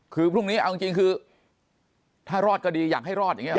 คือพรุ่งนี้เอาจริงคือถ้ารอดก็ดีอยากให้รอดอย่างนี้หรอ